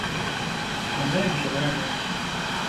Яна як жывая маці.